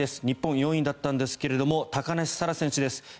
日本４位だったんですが高梨沙羅選手です。